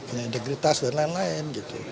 punya integritas dan lain lain gitu